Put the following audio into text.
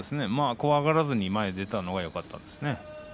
怖がらずに前に出たのがよかったですね。